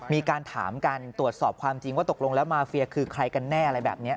มีการถามกันตรวจสอบความจริงว่าตกลงแล้วมาเฟียคือใครกันแน่อะไรแบบนี้